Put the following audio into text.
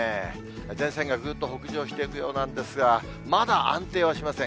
前線がぐっと北上していくようなんですが、まだ安定はしません。